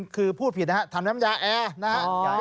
คือพูดผิดนะครับทำน้ำยาแอร์นะฮะ